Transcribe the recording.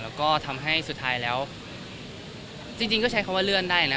แล้วก็ทำให้สุดท้ายแล้วจริงก็ใช้คำว่าเลื่อนได้นะ